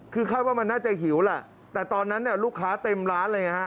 คือเข้าว่ามันน่าจะหิวล่ะแต่ตอนนั้นลูกค้าเต็มร้านอะไรอย่างนี้ฮะ